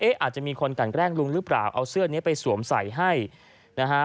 อาจจะมีคนกันแกล้งลุงหรือเปล่าเอาเสื้อนี้ไปสวมใส่ให้นะฮะ